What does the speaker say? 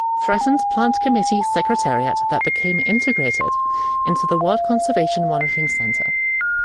Threatened Plant Committee Secretariat that became integrated into the World Conservation Monitoring Centre.